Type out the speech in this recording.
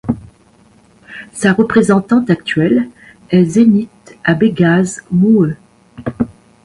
Sa représentante actuelle est Zenit Abegaz Muhe.